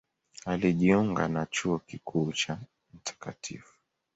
Alijiunga na Chuo Kikuu cha Mt.